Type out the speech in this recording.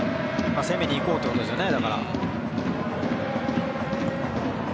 攻めに行こうってことですよね。